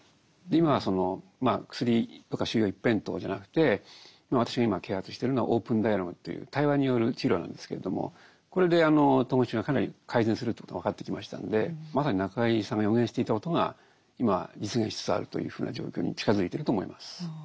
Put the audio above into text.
今は薬とか収容一辺倒じゃなくて私が今啓発してるのは「オープンダイアローグ」という対話による治療なんですけれどもこれで統合失調症がかなり改善するということが分かってきましたんでまさに中井さんが予言していたことが今実現しつつあるというふうな状況に近づいてると思います。